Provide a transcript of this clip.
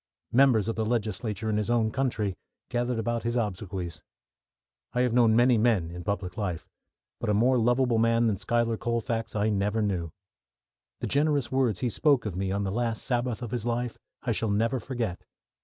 Members of the legislature in his own country gathered about his obsequies. I have known many men in public life, but a more lovable man than Schuyler Colfax I never knew. The generous words he spoke of me on the last Sabbath of his life I shall never forget.